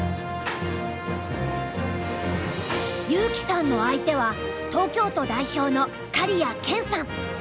優希さんの相手は東京都代表の刈谷研さん。